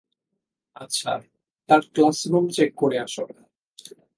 আচ্ছা, তার classroom check করে আসো।